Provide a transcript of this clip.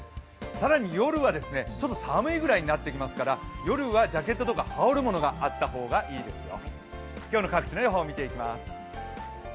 さらに夜は寒いぐらいになってきますから夜はジャケットとか羽織るものがあった方がいいですよ。